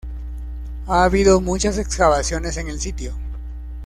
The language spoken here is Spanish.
Ha habido muchas excavaciones en el sitio.